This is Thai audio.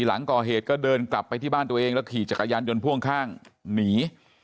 หลังก่อเหตุก็เดินกลับไปที่บ้านตัวเองแล้วขี่จักรยานยนต์พ่วงข้างหนี